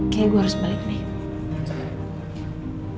kayak gue harus balik nih